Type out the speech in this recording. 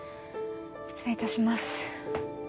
失礼いたします